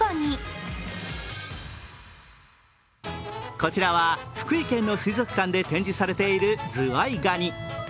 こちらは福井県の水族館で展示されているズワイガニ。